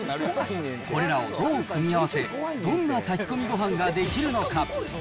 これらをどう組み合わせ、どんな炊き込みご飯ができるのか。